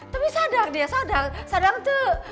tapi sadar dia sadar sadar tuh